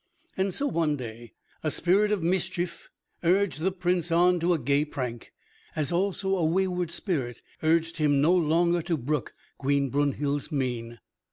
And so one day a spirit of mischief urged the Prince on to a gay prank, as also a wayward spirit urged him no longer to brook Queen Brunhild's mien.